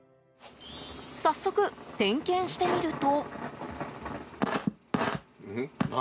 早速、点検してみると。